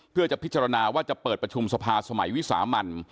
เพื่อจะพิจารณาว่าจะเปิดประชุมสภาสมัยวิสามัน